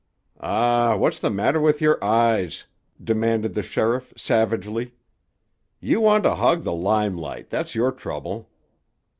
"Ah, what's the matter with your eyes?" demanded the sheriff savagely. "You want to hog the lime light, that's your trouble!"